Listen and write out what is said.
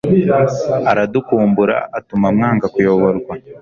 aradukumbura atuma mwanga-kuyobokwa